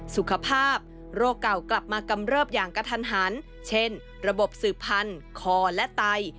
สุขภาพโรคเก่ากลับมากำเริบอย่างกระทันหันเช่นระบบสืบพันธุ์คอและไต